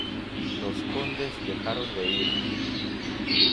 Los condes dejaron de ir.